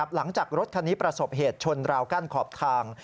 หลังจากรถคันนี้ประสบเหตุชนราวกั้นขอบทาง